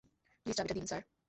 Please চাবিটা দিন sir.